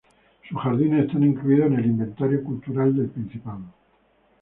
Sus jardines están incluido en el Inventario Cultural del Principado.